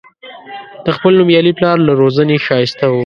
د خپل نومیالي پلار له روزنې ښایسته و.